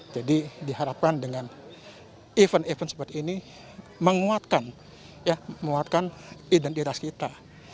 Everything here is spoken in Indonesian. jadi diharapkan dengan event event seperti ini menguatkan identitas kita